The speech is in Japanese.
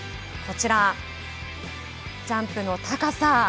こちら、ジャンプの高さ。